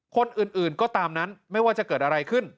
คนอื่นก็ตามนั้นไม่ว่าจะเกิดอะไรขึ้น